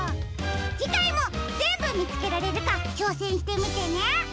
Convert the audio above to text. じかいもぜんぶみつけられるかちょうせんしてみてね！